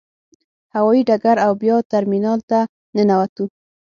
هوايي ډګر او بیا ترمینال ته ننوتو.